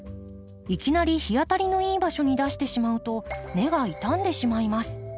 いきなり日当たりのいい場所に出してしまうと根が傷んでしまいます。